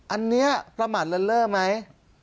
อันนี้ประมาทเลิศไหม